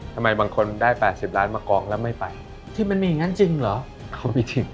ทำไมบางคนได้๘๐ล้านบาทมากองแล้วไม่ไป